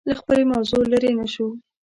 له خپلې موضوع لرې نه شو